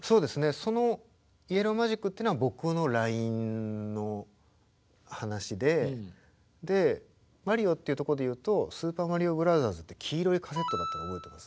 その「ＹＥＬＬＯＷＭＡＧＩＣ」っていうのは僕のラインの話でマリオっていうところで言うと「スーパーマリオブラザーズ」って黄色いカセットだったの覚えてます？